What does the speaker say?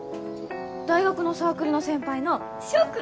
大学のサークルの先輩の翔クン！